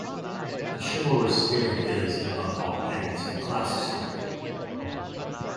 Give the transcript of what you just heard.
The chivalrous spirit is, above all things, a class spirit.